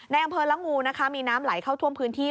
อำเภอละงูนะคะมีน้ำไหลเข้าท่วมพื้นที่